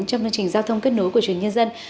trong chương trình giao thông kết nối của truyền nhân dân